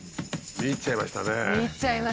見入っちゃいましたね。